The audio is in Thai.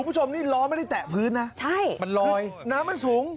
คุณผู้ชมนี่ล้อไม่ได้แตะพื้นนะใช่มันลอยน้ำมันสูง